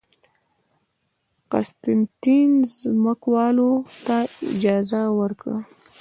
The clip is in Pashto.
قسطنطین ځمکوالو ته اجازه ورکړه